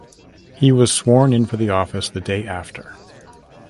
He was sworn in for the office the day after.